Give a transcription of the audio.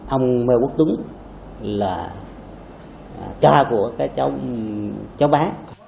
ông mai quốc tuấn là cha của cái cháu bé